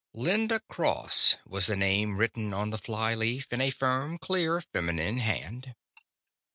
Linda Cross was the name written on the fly leaf, in a firm, clear feminine hand.